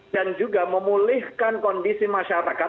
dan juga memulihkan kondisi masyarakat